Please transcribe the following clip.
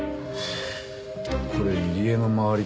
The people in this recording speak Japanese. これ入江の周り